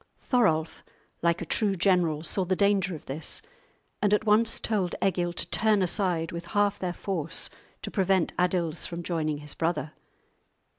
Thorolf, like a true general, saw the danger of this, and at once told Egil to turn aside with half their force to prevent Adils from joining his brother.